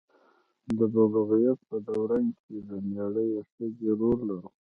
د بلوغیت په دوران کې د میړه یا ښځې رول لرو.